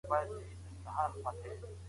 لور په خپلو پښو درول د هر پلار مسؤليت دئ.